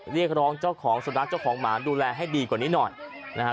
เรียกร้องเจ้าของสุนัขเจ้าของหมาดูแลให้ดีกว่านี้หน่อยนะฮะ